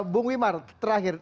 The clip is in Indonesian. bung wimar terakhir